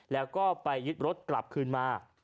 และก็ไปยึดรถกลับขึ้นมา